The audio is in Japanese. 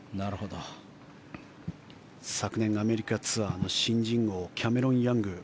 昨年のアメリカツアーの新人王キャメロン・ヤング。